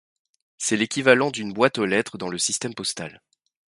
C'est l'équivalent d'une boîte aux lettres dans le système postal.